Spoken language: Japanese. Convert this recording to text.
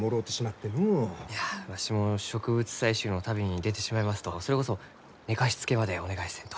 いやわしも植物採集の旅に出てしまいますとそれこそ寝かしつけまでお願いせんと。